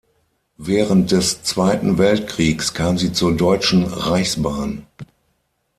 Während des Zweiten Weltkriegs kam sie zur Deutschen Reichsbahn.